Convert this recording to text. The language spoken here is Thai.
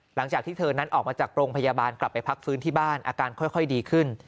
หลังจากที่เธอนั้นออกมาจากโรงพยาบาลกลับไปพักฟื้นที่บ้านอาการค่อยดีขึ้น